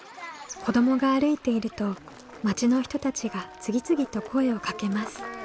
子どもが歩いていると町の人たちが次々と声をかけます。